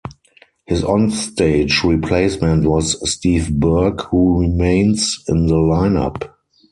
His on-stage replacement was Steve Burke who remains in the lineup.